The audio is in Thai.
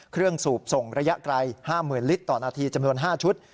สูบส่งระยะไกล๕๐๐๐ลิตรต่อนาทีจำนวน๕ชุด